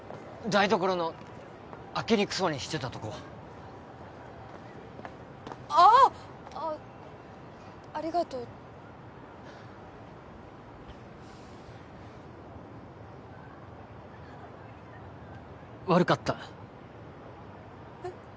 台所の開けにくそうにしてたとこあああっありがとう悪かったえっ？